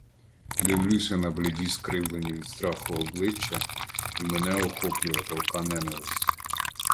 Дивлюся на бліді, скривлені від страху обличчя, і мене охоплює палка ненависть.